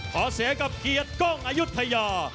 ขอเสียกับเกียรติกล้องอายุทยา